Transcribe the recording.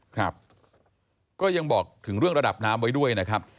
ครับก็ยังบอกถึงเรื่องระดับน้ำไว้ด้วยนะครับ